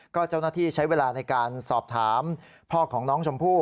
ก็เจ้าหน้าที่ใช้เวลาในการสอบถามพ่อของน้องชมพู่